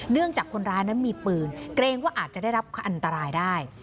จากคนร้ายนั้นมีปืนเกรงว่าอาจจะได้รับอันตรายได้